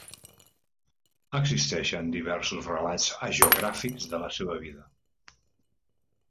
Existeixen diversos relats hagiogràfics de la seva vida.